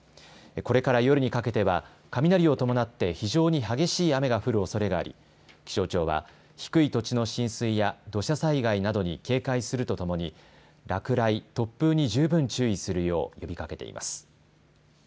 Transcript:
これから夜にかけては雷を伴って非常に激しい雨が降るおそれがあり気象庁は低い土地の浸水や土砂災害などに警戒するとともに落雷、突風に十分注意するよう呼びかけています。